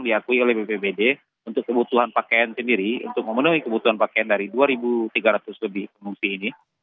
diakui oleh bpbd untuk kebutuhan pakaian sendiri untuk memenuhi kebutuhan pakaian dari dua tiga ratus lebih pengungsi ini